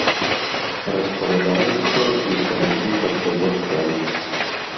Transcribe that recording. Распавядаецца аб гістарычных асобах краю.